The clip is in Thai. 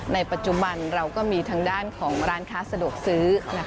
ในปัจจุบันเราก็มีทางด้านของร้านค้าสะดวกซื้อ